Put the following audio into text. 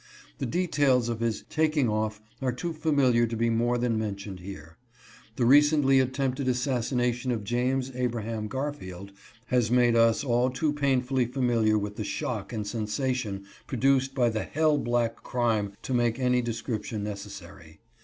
The details of his " taking off " are too familiar to be more than mentioned here. The recently attempted assassination of James Abraham Garfield has made us all too painfully familiar with the shock and sensation produced by the hell black crime to make any description necessary.